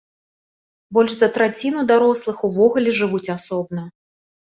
Больш за траціну дарослых увогуле жывуць асобна.